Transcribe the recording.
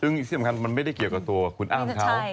รึงสิ่งสำคัญมันไม่ได้เกี่ยวกับตัวกับคนอ้างเขา